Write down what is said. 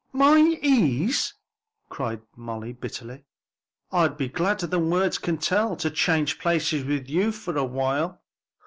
"My ease!" cried Molly bitterly, "I'd be gladder than words can tell to change places with you for awhile."